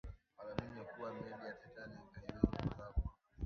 waliamini kuwa meli ya titanic haiwezi kuzama